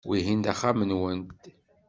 Wihin d axxam-nwent.